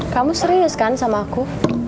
kamu serius kan sama aku